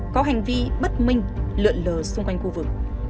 có hành vi bất minh lượn lờ xung quanh khu vực